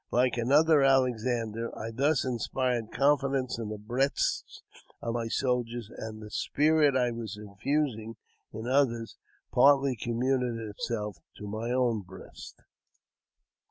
Like another Alex ander, I thus inspired confidence in the breasts of my soldiers, and the spirit I was infusing in others partly communicated itself to my own breast.